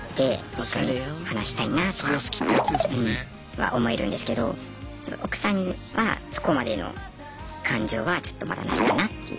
一緒に話したいなとか思えるんですけど奥さんにはそこまでの感情はちょっとまだないかなっていう。